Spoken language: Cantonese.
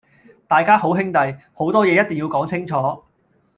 大家好兄弟，好多嘢一定要講清楚